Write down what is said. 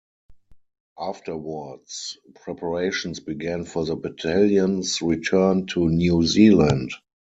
Afterwards, preparations began for the battalion's return to New Zealand.